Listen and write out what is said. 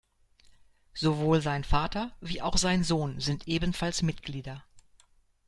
Sowohl sein Vater, wie auch sein Sohn sind ebenfalls Mitglieder.